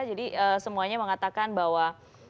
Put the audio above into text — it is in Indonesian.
jadi semuanya mengatakan bahwa